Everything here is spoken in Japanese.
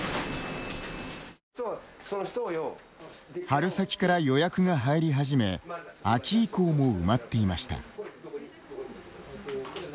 春先から予約が入り始め秋以降も埋まっていました。